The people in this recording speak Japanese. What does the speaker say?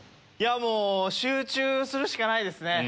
もう集中するしかないですね。